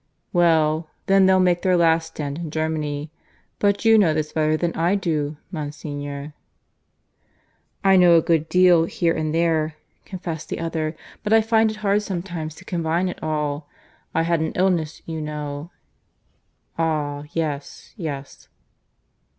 "Well, then they'll make their last stand in Germany. But you know this better than I do, Monsignor?" "I know a good deal here and there," confessed the other; "but I find it hard sometimes to combine it all. I had an illness, you know " "Ah, yes; yes."